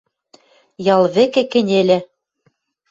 Ял вӹлкӹ кӹньӹльӹ